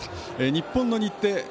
日本の日程